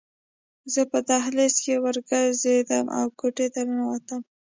زه په دهلیز کې ورو ګرځېدم او کوټې ته ننوتم